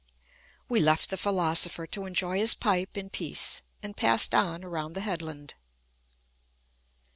We left the philosopher to enjoy his pipe in peace, and passed on around the headland.